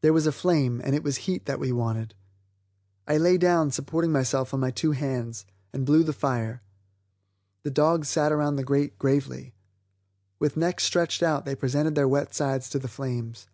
There was a flame, and it was heat that we wanted. I lay down, supporting myself on my two hands, and blew the fire; the dogs sat around the grate gravely; with necks stretched out they presented their wet sides to the flames.